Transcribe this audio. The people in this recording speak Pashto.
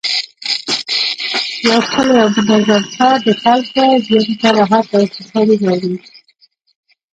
یو ښکلی او منظم ښار د خلکو ژوند ته راحت او خوشحالي راوړي